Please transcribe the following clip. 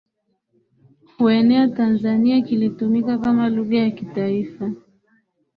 kuenea Tanzania Kilitumika kama lugha ya taifa